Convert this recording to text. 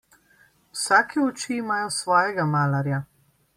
Vsake oči imajo svojega malarja.